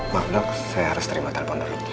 maknuk saya harus terima telepon dulu